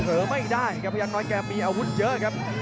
ไม่ได้ครับพยักน้อยแกมีอาวุธเยอะครับ